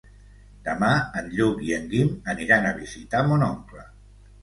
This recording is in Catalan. Demà en Lluc i en Guim aniran a visitar mon oncle.